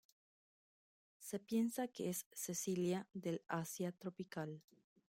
Se piensa que es una cecilia del Asia tropical.